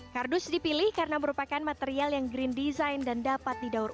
kardus dipilih karena merupakan material yang green design dan dapat didaur ulang